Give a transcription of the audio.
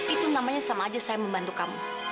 itu namanya sama aja saya membantu kamu